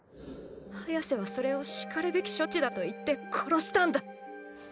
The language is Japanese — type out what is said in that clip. ハヤセはそれを然るべき処置だと言って殺したんだ。